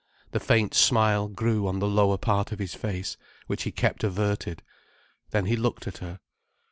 The faint smile grew on the lower part of his face, which he kept averted. Then he looked at her.